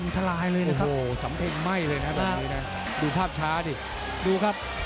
โอ้โหโอ้โหโอ้โหโอ้โหโอ้โห